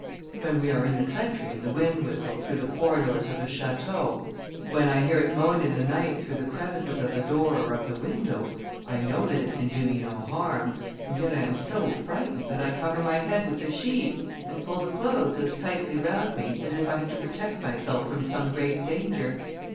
When we are in the country, and the wind whistles through the corridors of the château, when I hear it moan in the night through the crevices of the door or of the window, I know that it can do me no harm, and yet I am so frightened, that I cover my head with the sheet, and pull the clothes as tightly round me, as if I had to protect myself from some great danger.